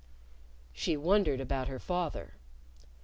She wondered about her father.